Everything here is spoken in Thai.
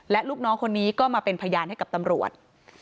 และลูกน้องคนนี้ก็มาเป็นพยานให้กับตำรวจ